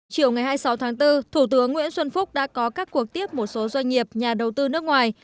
chiều ngày hai mươi sáu tháng bốn thủ tướng nguyễn xuân phúc đã có các cuộc tiếp một số doanh nghiệp nhà đầu tư nước ngoài